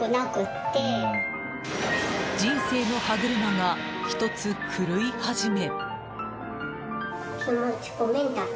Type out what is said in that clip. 人生の歯車が１つ狂い始め。